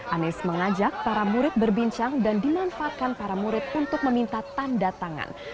anies mengajak para murid berbincang dan dimanfaatkan para murid untuk meminta tanda tangan